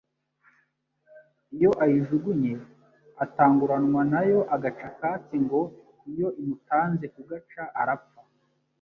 Iyo ayijugunye atanguranwa nayo agaca Akatsi, ngo iyo imutanze kugaca arapfa